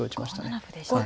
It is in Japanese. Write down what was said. ５七歩でしたね。